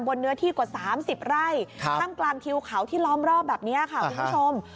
เนื้อที่กว่า๓๐ไร่ท่ามกลางทิวเขาที่ล้อมรอบแบบนี้ค่ะคุณผู้ชม